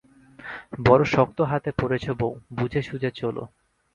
বড়ো শক্ত হাতে পড়েছ বউ, বুঝে সুঝে চোলো।